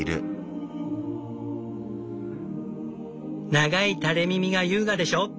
「長い垂れ耳が優雅でしょ」。